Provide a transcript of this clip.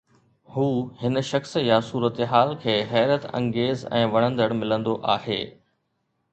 هو هن شخص يا صورتحال کي حيرت انگيز ۽ وڻندڙ ملندو آهي